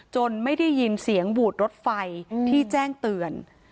ไม่ได้ยินเสียงบูดรถไฟที่แจ้งเตือน